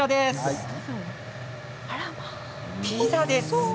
ピザです。